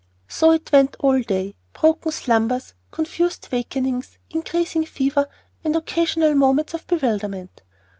So it went all day, broken slumbers, confused wakings, increasing fever, and occasional moments of bewilderment.